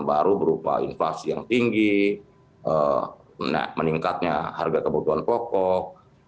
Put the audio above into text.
baru berupa inflasi yang tinggi meningkatnya harga kebutuhan pokok